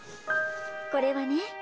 これはね